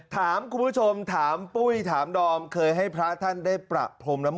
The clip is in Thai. ถามคุณผู้ชมถามปุ้ยถามดอมเคยให้พระท่านได้ประพรมน้ำ